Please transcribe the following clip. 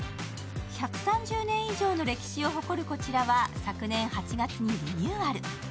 １３０年以上の歴史を誇るこちらは昨年８月にリニューアル。